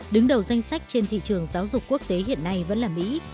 đứng đầu danh sách trên thị trường giáo dục quốc tế hiện nay vẫn là mỹ